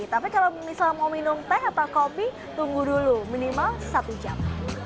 tapi kalau misalnya mau minum teh atau kopi tunggu dulu minimal satu jam